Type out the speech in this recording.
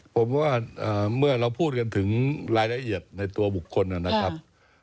ผมว่าเมื่อเราพูดกันถึงรายละเอียดในตัวบุคคลนะครับ